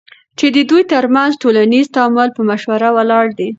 چی ددوی ترمنځ ټولنیز تعامل په مشوره ولاړ دی،